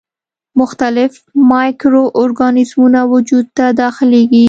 مختلف مایکرو ارګانیزمونه وجود ته داخليږي.